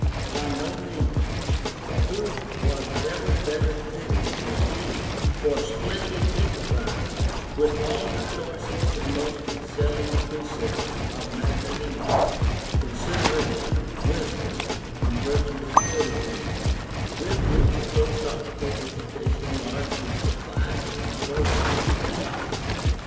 By no means : for who was ever better fitted than he for splendid enterprises, with all the choicest and most excelling precepts of magnanim ity, consideration, wisdom, and virtuous fortitude, with which a philosophical education largely supplied him for his expedition"?